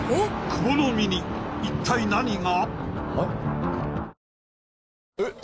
久保の身に一体何が！？